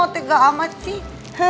tiga amat sih